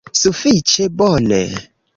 Sufiĉe bone